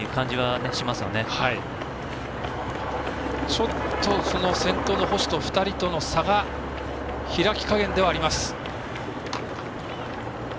ちょっと先頭の星と２人との差が開き加減ではあります。